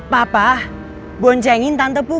papa boncengin tante puput